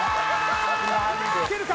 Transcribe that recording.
いけるか？